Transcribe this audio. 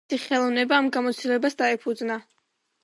მისი ხელოვნება ამ გამოცდილებას დაეფუძნა.